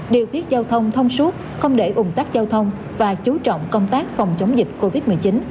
điều tiết giao thông thông suốt không để ủng tắc giao thông và chú trọng công tác phòng chống dịch covid một mươi chín